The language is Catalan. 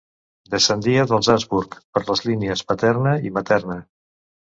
Descendia dels Habsburg per les línies paterna i materna.